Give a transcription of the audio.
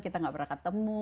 kita tidak pernah ketemu